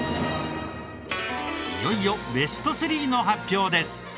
いよいよベスト３の発表です。